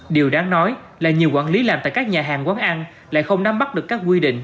điều đáng nói là nhiều quản lý làm tại các nhà hàng quán ăn lại không nắm bắt được các quy định